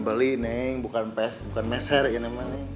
beli ini bukan meser ini